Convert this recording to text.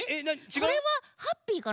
これはハッピーかな？